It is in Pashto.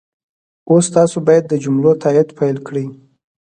اوس تاسو باید د جملو تایید پيل کړئ.